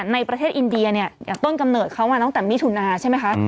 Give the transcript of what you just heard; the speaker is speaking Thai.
ในประเทศอินเดียเนี่ยอย่างต้นกำเนิดเขามาตั้งแต่มิถุนาใช่ไหมคะ